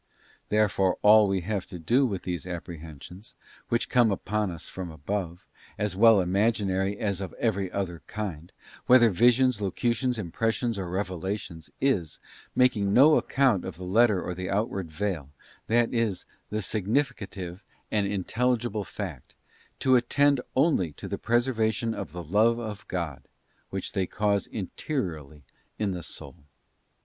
Therefore all we have to do with these Apprehensions, which come upon us _from above, as well imaginary as of every other kind, whether Visions, Locutions, Impressions, or Revelations, is, making no account of the letter or the outward veil — that d is, the significative and intelligible fact—to attend only to the preservation of the Love of God which they cause in teriorly in the soul.